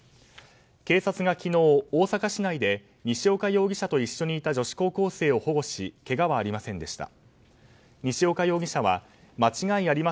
警察が昨日、大阪市内で西岡容疑者と一緒にいた女子高校生を保護しけがはありませんでした。